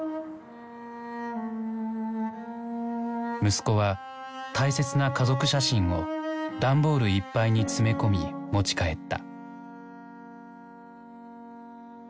息子は大切な家族写真をダンボールいっぱいに詰め込み持ち帰った。